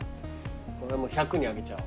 これもう１００に上げちゃおう。